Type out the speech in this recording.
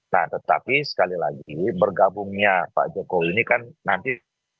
nah tetapi sekali lagi bergabungnya pak jokowi ini kan nanti